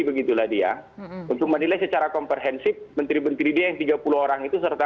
begitulah dia untuk menilai secara komprehensif menteri menteri dia yang tiga puluh orang itu serta